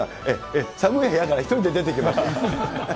寒い部屋から１人で出てきました。